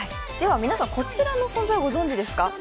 こちらの存在、ご存じですか。